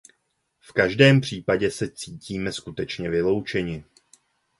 V každém případě se cítíme skutečně vyloučeni.